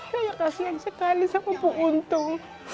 saya kasihan sekali sama bu untung